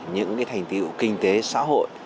những thành tựu kinh tế xã hội